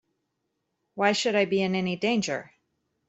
Why should I be in any danger?